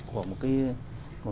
của một cái